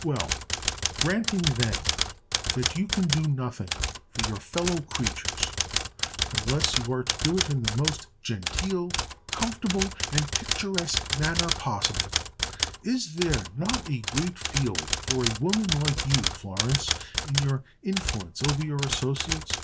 "Well, granting, then, that you can do nothing for your fellow creatures unless you are to do it in the most genteel, comfortable, and picturesque manner possible, is there not a great field for a woman like you, Florence, in your influence over your associates?